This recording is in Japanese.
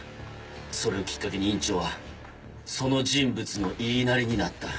それをきっかけに院長はその人物の言いなりになった。